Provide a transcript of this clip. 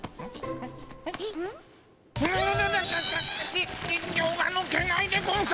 に人形がぬけないでゴンス。